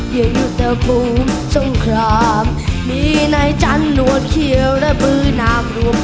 อย่าหยุดแต่ภูมิสงครามมีในจันทร์หลวดเขียวและบื้อนามรวบ